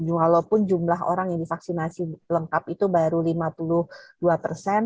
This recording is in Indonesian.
walaupun jumlah orang yang divaksinasi lengkap itu baru lima puluh dua persen